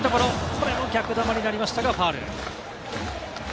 これも逆球になりましたが、ファウル。